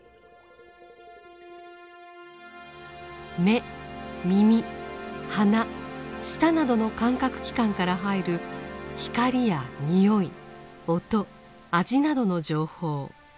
眼耳鼻舌などの感覚器官から入る光や匂い音味などの情報。